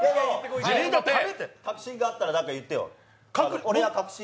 確信があったら、何か言ってよ。